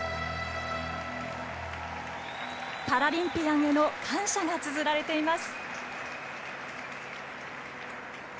パラリンピアンへの感謝がつづられています。